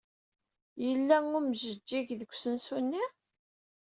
Yella umjeǧǧig deg usensu-nni?